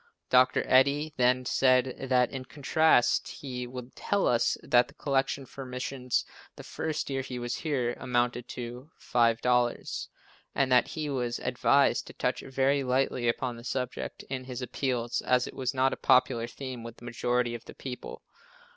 Dr. Eddy then said that in contrast he would tell us that the collection for missions the first year he was here, amounted to $5, and that he was advised to touch very lightly upon the subject in his appeals as it was not a popular theme with the majority of the people.